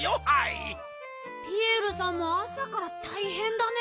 ピエールさんもあさからたいへんだね。